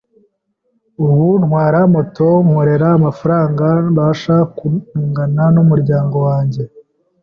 Ubu ntwara moto nkorera amafaranga abasha kuntungana n’ umuryango wanjye,